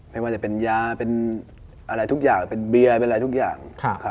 ไม่ว่าจะเป็นยาเป็นอะไรทุกอย่างเป็นเบียร์เป็นอะไรทุกอย่าง